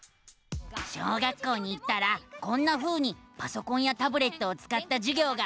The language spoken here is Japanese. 小学校に行ったらこんなふうにパソコンやタブレットをつかったじゅぎょうがあるのさ！